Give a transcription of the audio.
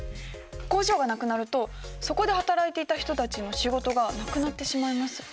工場がなくなるとそこで働いていた人たちの仕事がなくなってしまいます。